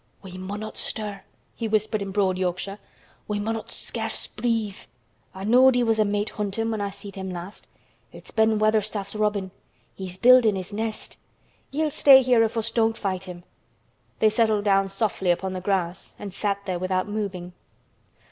"We munnot stir," he whispered in broad Yorkshire. "We munnot scarce breathe. I knowed he was mate huntin' when I seed him last. It's Ben Weatherstaff's robin. He's buildin' his nest. He'll stay here if us don't flight him." They settled down softly upon the grass and sat there without moving.